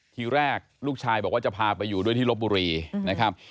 ทีแรกลูกชายบอกว่าจะพาไปอยู่ด้วยที่ลบบุรีนะครับ